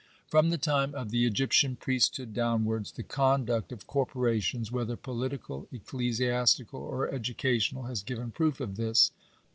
From the time of the Egyptian priesthood downwards, the conduct of corporations, whether political, ecclesiastical, or edu cational, has given proof of this.